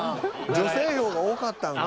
女性票が多かったんかな。